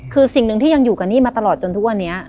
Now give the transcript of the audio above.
คือสิ่งหนึ่งที่ยังอยู่กับนี่มาตลอดจนทุกวันนี้